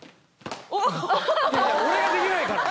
いやいや俺ができないから！